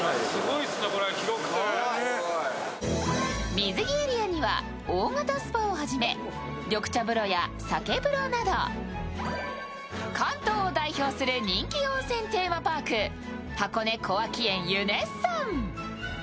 水着エリアには大型スパをはじめ緑茶風呂や酒風呂など関東を代表する人気温泉テーマパーク、箱根小涌園ユネッサン。